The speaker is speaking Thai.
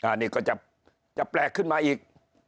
อันนี้ก็จะแปลกขึ้นมาอีก